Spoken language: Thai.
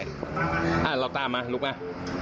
ลองตามมาเนี่ยอ่ะเราตามมาลุกมา